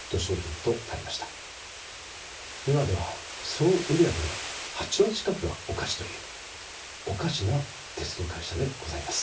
今では総売り上げの８割近くがお菓子というおかしな鉄道会社でございます。